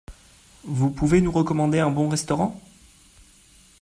Vous pouvez nous recommander un bon restaurant ?